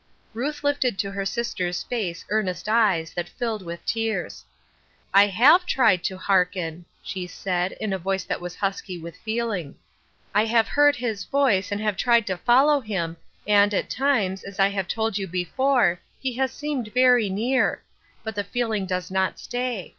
Ruth lifted to her sister's face earnest eyes, that filled with tears. " I have tried to ' hearken,' " she said, in a voice that was husky with feeling. "I have 876 Ruth Erskiyie't Crosse$. beard his voice and have tried to follow hii and, at times, as I have told you before, he L^ seemed very near, but the feeling does not stay.